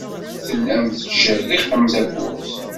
Tellam tettcerriqem tawwurt.